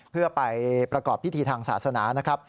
เพื่อไปประกอบพิธีทางศาสนา